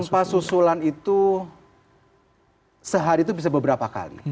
gempa susulan itu sehari itu bisa beberapa kali